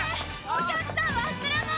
お客さん忘れ物！